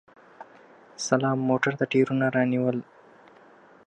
سلام موټر ته ټیرونه رانیول!